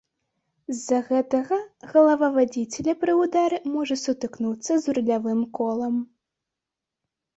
З-за гэтага галава вадзіцеля пры ўдары можа сутыкнуцца з рулявым колам.